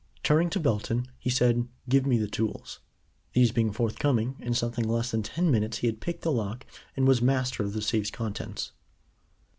Turning to Belton, he said, "Give me the tools." These being forthcoming, in something less than ten minutes he had picked the lock and was master of the safe's contents.